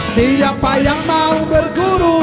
siapa yang mau berguru